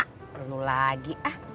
gak perlu lagi